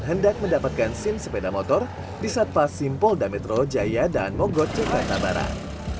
hendak mendapatkan sim sepeda motor di satpas sim polda metro jaya dan mogot jakarta barat